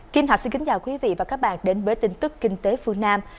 kim thạch xin kính chào quý vị và các bạn đến với tin tức kinh tế phương nam